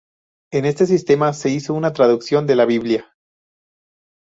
En este sistema se hizo una traducción de la Biblia.